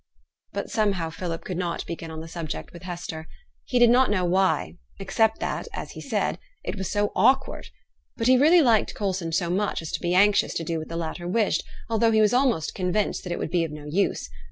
But somehow Philip could not begin on the subject with Hester. He did not know why, except that, as he said, 'it was so awkward.' But he really liked Coulson so much as to be anxious to do what the latter wished, although he was almost convinced that it would be of no use.